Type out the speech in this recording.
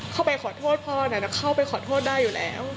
เข้าไปขอโทษพ่อนั้นเข้าไปขอโทษได้อยู่แล้ว